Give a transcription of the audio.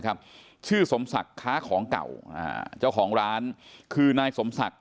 ครับชื่อสมศักดิ์ค้าของเก่าอ่าเจ้าของร้านคือนายสมศักดิ์